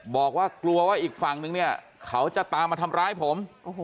บอกว่ากลัวว่าอีกฝั่งนึงเนี่ยเขาจะตามมาทำร้ายผม